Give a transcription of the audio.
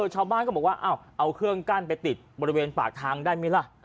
ชาวบ้านก็บอกว่าเอาเครื่องกั้นไปติดบริเวณปากทางได้ไหมล่ะ